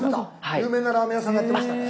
有名なラーメン屋さんがやってましたね。